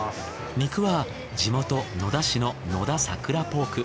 肉は地元野田市の野田さくらポーク。